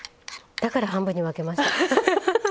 だから半分に分けました。